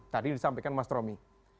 tadi disampaikan mas romy